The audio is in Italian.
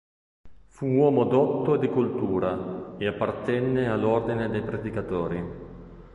Fu uomo dotto e di cultura e appartenne all'Ordine dei Predicatori.